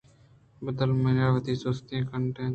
کہ بدل ءَ منارا وتی تُسکین کُنٹگے جِکّ ئے دات